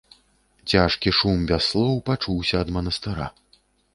Цяжкі шум без слоў пачуўся ад манастыра.